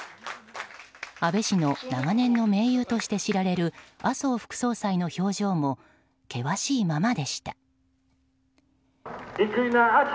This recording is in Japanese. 安倍氏の長年の盟友として知られる麻生副総裁の表情も険しいままでした。